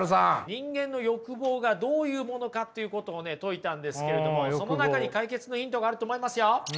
人間の欲望がどういうものかっていうことを説いたんですけれどもその中に解決のヒントがあると思いますよ。